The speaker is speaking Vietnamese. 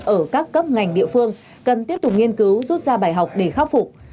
ở các cấp ngành địa phương cần tiếp tục nghiên cứu rút ra bài học để khắc phục